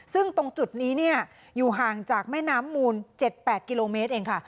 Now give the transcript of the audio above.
ซึ่งตรงจุดนี้อยู่ห่างจากแม่น้ำมูล๗๘กิโลเมตรเองค่ะ